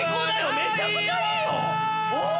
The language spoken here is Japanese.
めちゃくちゃいいよおぉ！